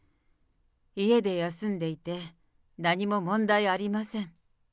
家で休んでいて、何も問題ありません。